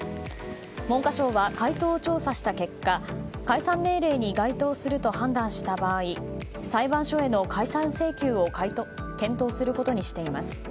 文科省は回答を調査した結果解散命令に該当すると判断した場合裁判所への解散請求を検討することにしています。